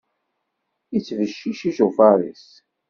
Ittbeccic ijufaṛ-is.